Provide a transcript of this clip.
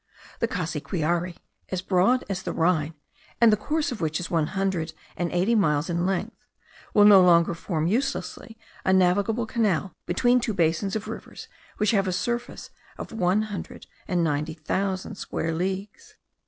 The Cassiquiare, as broad as the Rhine, and the course of which is one hundred and eighty miles in length, will no longer form uselessly a navigable canal between two basins of rivers which have a surface of one hundred and ninety thousand square leagues.